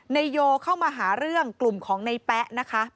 โยเข้ามาหาเรื่องกลุ่มของในแป๊ะนะคะ